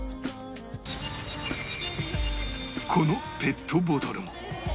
このペットボトルも